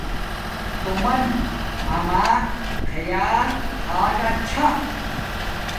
تومن اما خیال تھا گا چھا